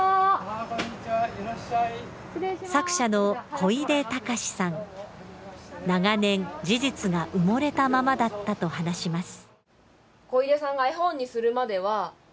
作者の小出隆司さん、長年事実が埋もれたままだったと話します。